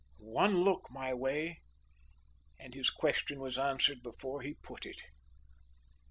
"One look my way and his question was answered before he put it.